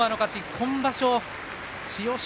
今場所、千代翔